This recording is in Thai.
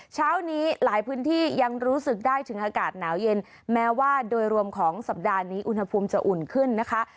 เช้านี้หลายพื้นที่ยังรู้สึกได้ถึงอากาศหนาวเย็นแม้ว่าโดยรวมของสัปดาห์นี้อุณหภูมิจะอุ่นขึ้นนะคะ